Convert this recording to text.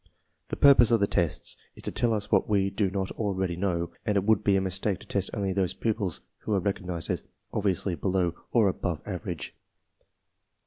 The purpose of the tests is to tell us what we do not already know, and it would be a mistake to test only those pupils who are recognized as obviously below or above average.